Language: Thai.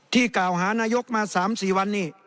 ที่กล่าวหานายกมาสามสี่วันนี้